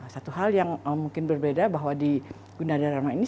satu hal yang mungkin berbeda bahwa di gunadharma ini